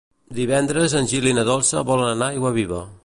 Divendres en Gil i na Dolça volen anar a Aiguaviva.